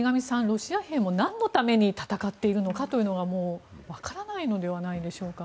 ロシア兵もなんのために戦っているのかということがもう、わからないのではないでしょうか。